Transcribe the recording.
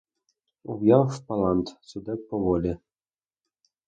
Ув'яв Паллант, судеб по волі;